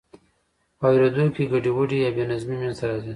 په اوریدو کې ګډوډي یا بې نظمي منځ ته راځي.